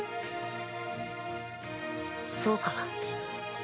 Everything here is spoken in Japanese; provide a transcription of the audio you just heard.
そうか。